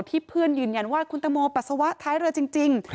เพื่อนยืนยันว่าคุณตังโมปัสสาวะท้ายเรือจริง